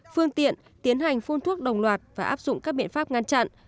phương tiện tiến hành phun thuốc đồng loạt và áp dụng các biện pháp ngăn chặn